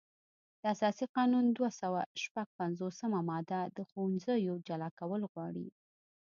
د اساسي قانون دوه سوه شپږ پنځوسمه ماده د ښوونځیو جلا کول غواړي.